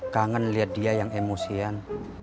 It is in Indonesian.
kangen lihat dia yang emosian